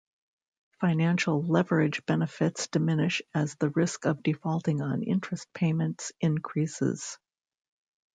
Financial leverage benefits diminish as the risk of defaulting on interest payments increases.